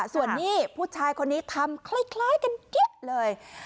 ส่วนนี้ผู้ชายคนนี้ทำคล้ายกันเก๊ะเลย